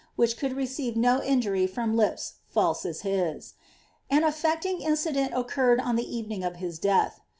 which eould receive no injury ftoin li(>s raise tu his. An aiTectJn); incident occurred on the evening of hjs death.